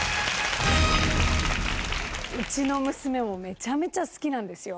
うちの娘もめちゃめちゃ好きなんですよ